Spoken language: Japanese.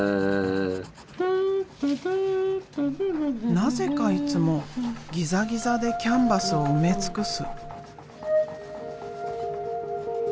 なぜかいつもギザギザでキャンバスを埋め尽くす。